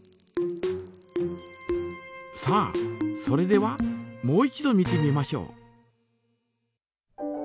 さあそれではもう一度見てみましょう。